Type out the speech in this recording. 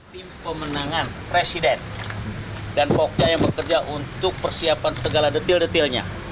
tim pemenangan presiden dan pokja yang bekerja untuk persiapan segala detil detilnya